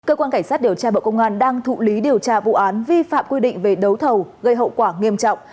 cơ quan cảnh sát điều tra bộ công an đang thụ lý điều tra vụ án vi phạm quy định về đấu thầu gây hậu quả nghiêm trọng